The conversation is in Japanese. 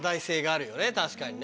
確かにね。